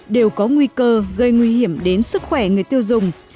đều có nguy cơ gây nguy hiểm đến sức khỏe người tiêu dùng